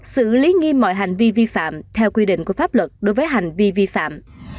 xử lý nghiêm mọi hành vi vi phạm theo quy định của pháp luật đối với hành vi vi phạm